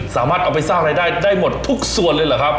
สามารถเอาไปสร้างรายได้ได้หมดทุกส่วนเลยเหรอครับ